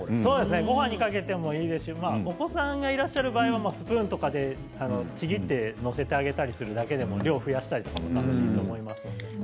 ごはんにかけてもいいですしお子さんがいらっしゃる場合はスプーンでちぎって載せてあげるだけでも量を増やしたりできると思います。